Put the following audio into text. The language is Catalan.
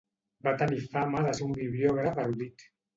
Va tenir fama de ser un bibliògraf erudit.